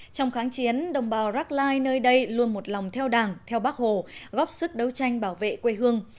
trong kháng chiến đồng bào rackline nơi đây luôn một lòng theo đảng theo bác hồ góp sức đấu tranh bảo vệ quê hương